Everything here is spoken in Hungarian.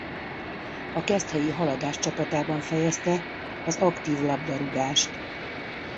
A Keszthelyi Haladás csapatában fejezte az aktív labdarúgást.